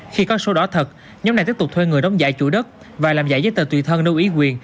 khi có số đỏ thật nhóm này tiếp tục thuê người đóng giả chủ đất và làm giải giấy tờ tùy thân lưu ý quyền